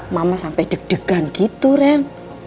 mama sampai deg degan gitu ren